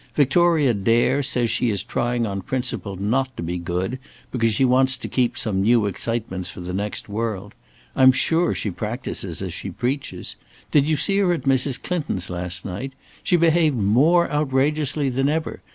Victoria Dare says she is trying on principle not to be good, because she wants to keep some new excitements for the next world. I'm sure she practices as she preaches. Did you see her at Mrs. Clinton's last night. She behaved more outrageously than ever.